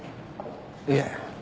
いえ。